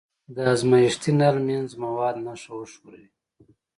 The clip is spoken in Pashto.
د ازمایښتي نل منځ مواد ښه وښوروئ.